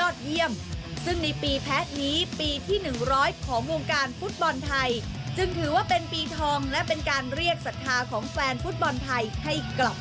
เดี๋ยวช่วงหน้ากลับไปตามข่าวช่วงท้ายครับสวัสดีครับ